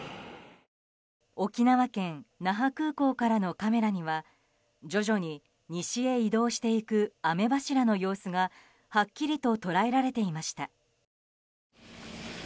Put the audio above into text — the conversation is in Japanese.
沖縄県那覇空港からのカメラには徐々に西へ移動していく雨柱の様子がはっきりと捉えられていました。